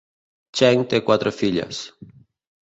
Cheng té quatre filles.